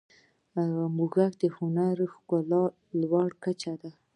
موزیک د هنري ښکلا لوړه کچه ده.